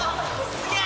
すげえ。